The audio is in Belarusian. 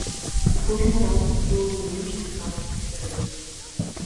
І кожны раз быў не менш цікавы за папярэдні.